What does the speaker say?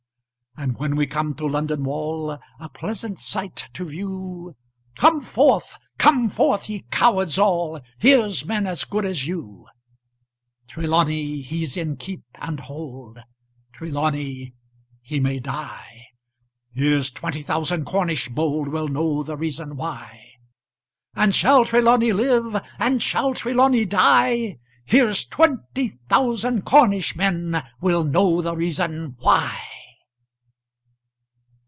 And when we come to London Wall, A pleasant sight to view, Come forth! come forth! ye cowards all: Here's men as good as you. Trelawny he's in keep and hold; Trelawny he may die: Here's twenty thousand Cornish bold Will know the reason why And shall Trelawny live? Or shall Trelawny die? Here's twenty thousand Cornish men Will know the reason why!